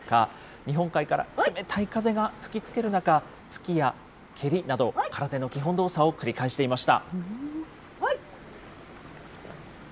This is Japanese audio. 日本海から冷たい風が吹きつける中、突きや蹴りなど、空手の基本動作を繰り返していました。